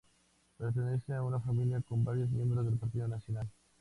Pertenece a una familia con varios miembros del partido Nacional.